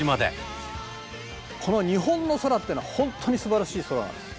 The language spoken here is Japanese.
この日本の空っていうのは本当にすばらしい空なんです。